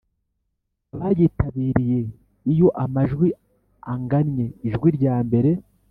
abayitabiriye Iyo amajwi angannye ijwi ryambere